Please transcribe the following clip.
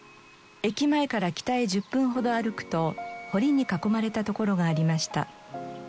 駅前から北へ１０分ほど歩くと濠に囲まれた所がありました。